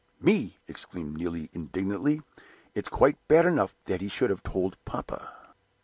"Me!" exclaimed Neelie, indignantly. "It's quite bad enough that he should have told papa."